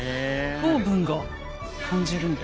糖分が感じるんだ。